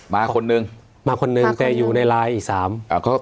มาคนหนึ่งมาคนหนึ่งแต่อยู่ในไลน์อีก๓